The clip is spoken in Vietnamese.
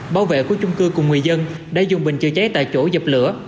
báo vệ của chung cư cùng người dân đã dùng bình chừa cháy tại chỗ dập lửa